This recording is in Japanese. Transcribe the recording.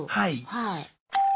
はい。